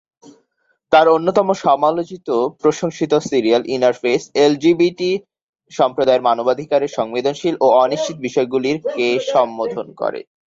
তার অন্যতম সমালোচিত প্রশংসিত সিরিয়াল "ইনার ফেস" এলজিবিটি সম্প্রদায়ের মানবাধিকারের সংবেদনশীল এবং অনিশ্চিত বিষয়গুলিকে সম্বোধন করে।